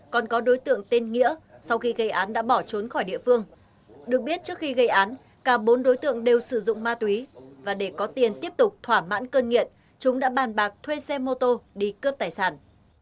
còn có đối tượng tên nghĩa sau khi gây án đã bỏ trốn khỏi địa phương được biết trước khi gây án cả bốn đối tượng đều sử dụng ma túy và để có tiền tiếp tục thỏa mãn cơn nghiện chúng đã bàn bạc thuê xe mô tô đi cướp tài sản